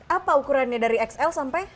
apa ukurannya dari xl sampai